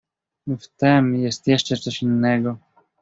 "W tem jest jeszcze coś innego."